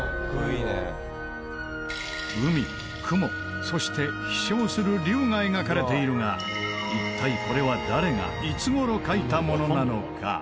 海雲そして飛翔する龍が描かれているが一体これは誰がいつ頃描いたものなのか？